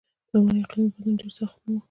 لومړی اقلیمی بدلون ډېر سخت نه و.